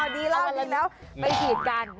ดีแล้วไปฉีดกัน